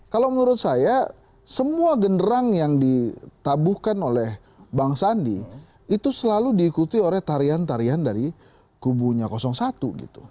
kalau menurut saya semua genderang yang ditabuhkan oleh bang sandi itu selalu diikuti oleh tarian tarian dari kubunya satu gitu